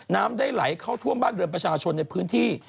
น้ำได้ไหลเข้าท่วมบ้านเรือนประชาชนในพื้นที่